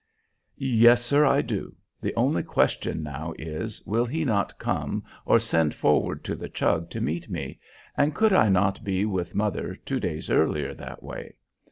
"Yes, sir, I do. The only question now is, will he not come or send forward to the Chug to meet me, and could I not be with mother two days earlier that way?